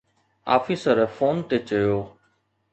officer phone تي چيو